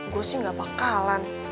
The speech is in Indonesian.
gue sih gak pakalan